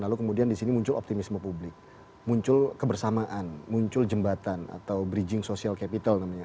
lalu kemudian di sini muncul optimisme publik muncul kebersamaan muncul jembatan atau bridging social capital namanya